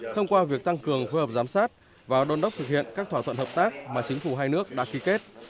thông qua việc tăng cường phối hợp giám sát và đôn đốc thực hiện các thỏa thuận hợp tác mà chính phủ hai nước đã ký kết